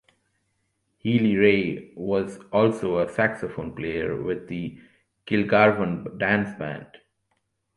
Healy-Rae was also a saxophone player with the Kilgarvan Dance Band.